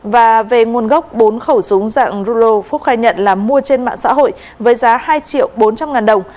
và về nguồn gốc bốn khẩu súng dạng rulo phúc khai nhận là mua trên mạng xã hội với giá hai triệu bốn trăm linh ngàn đồng